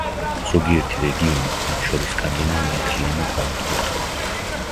ზოგიერთი რეგიონი, მათ შორის სკანდინავია მთლიანად განადგურდა.